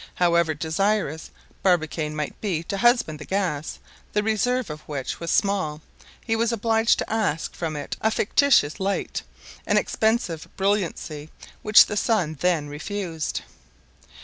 However desirous Barbicane might be to husband the gas, the reserve of which was small, he was obliged to ask from it a fictitious light, an expensive brilliancy which the sun then refused.